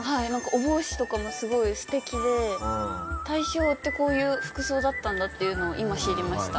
お帽子とかもすごい素敵で大正ってこういう服装だったんだっていうのを今知りました。